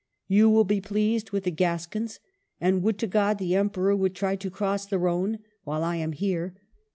You will be pleased with the Gascons ; and would to God the Emperor would try to cross the Rhone while I am here